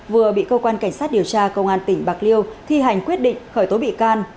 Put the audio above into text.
vừa bị cơ quan cảnh sát điều tra công an tỉnh bạc liêu thi hành quyết định khởi tố bị can